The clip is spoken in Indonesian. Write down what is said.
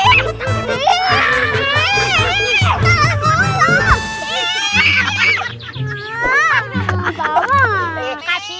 adomo tapi engkau selalu menunjukan servantai servisi